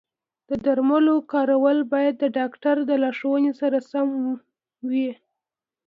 د درملو کارول باید د ډاکټر د لارښوونې سره سم وي.